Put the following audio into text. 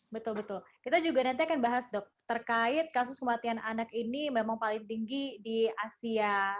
betul betul kita juga nanti akan bahas dok terkait kasus kematian anak ini memang paling tinggi di asia pasifik dan di dunia mungkin saat ini